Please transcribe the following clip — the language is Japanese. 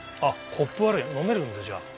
コップある飲めるんだじゃあ。